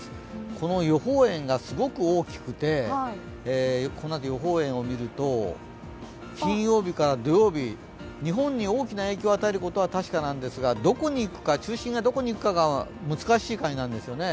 この予報円がすごく大きくてこのあと金曜日から土曜日、日本に大きな影響を与えるのは確かなんですが、中心がどこに行くかが難しい感じなんですね。